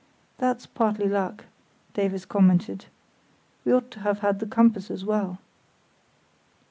"That's partly luck," Davies commented; "we ought to have had the compass as well."